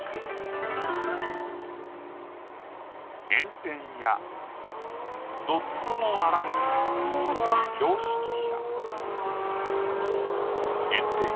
「炎天やドットの粗き標識車」。